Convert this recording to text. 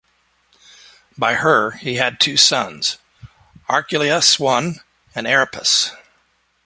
By her, he had two sons, Archelaus I and Aeropus.